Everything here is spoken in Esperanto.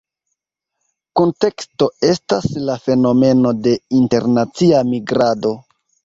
Kunteksto estas la fenomeno de internacia migrado.